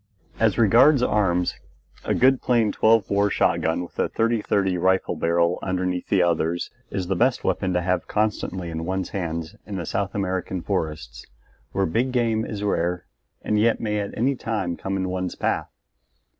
As regards arms, a good plain 12 bore shotgun with a 30 30 rifle barrel underneath the others is the best weapon to have constantly in one's hand in the South American forests, where big game is rare and yet may at any time come in one's path.